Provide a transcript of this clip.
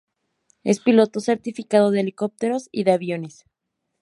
Es piloto certificado de helicópteros y de aviones.